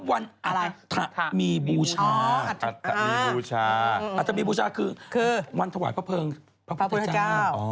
อัตทบีบูชาอัตทบีบูชาคือวันถวายพระเพิงพระพุทธเจ้าอ๋อ